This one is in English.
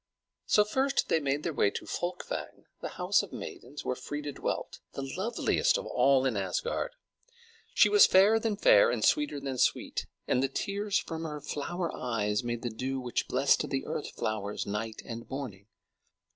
So first they made their way to Folkvang, the house of maidens, where Freia dwelt, the loveliest of all in Asgard. She was fairer than fair, and sweeter than sweet, and the tears from her flower eyes made the dew which blessed the earth flowers night and morning.